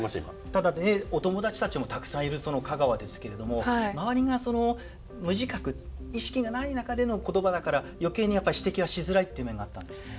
ただねお友達たちもたくさんいる香川ですけれども周りが無自覚意識がない中での言葉だから余計にやっぱり指摘はしづらいっていう面があったんですね。